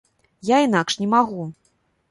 Я інакш не магу!